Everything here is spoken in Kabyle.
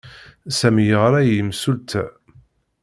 Sami yeɣra i yimsulta.